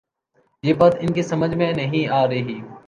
یہ بات ان کی سمجھ میں نہیں آ رہی۔